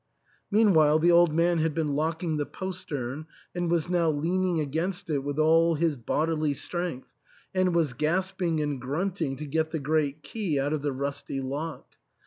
" Meanwhile the old man had been locking the postern, and was now leaning against it with all his bodily strength, and was gasping and grunting to get the great key out of the rusty lock.